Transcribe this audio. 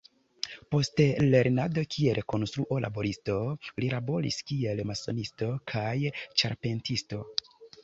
Post lernado kiel konstruo-laboristo, li laboris kiel masonisto kaj ĉarpentisto.